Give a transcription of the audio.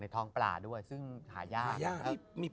พี่ยังไม่ได้เลิกแต่พี่ยังไม่ได้เลิก